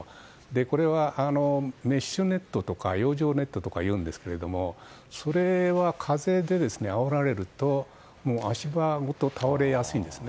これはメッシュネットとか養生ネットとかですがそれは風であおられると足場ごと倒れやすいんですね。